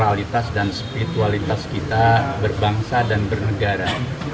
kualitas dan spiritualitas kita berbangsa dan bernegara